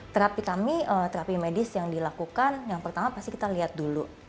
terapi kami terapi medis yang dilakukan yang pertama pasti kita lihat dulu